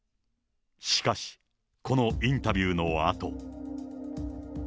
しかし、このインタビューのあと。